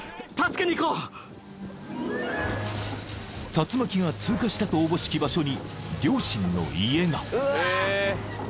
［竜巻が通過したとおぼしき場所に両親の家が］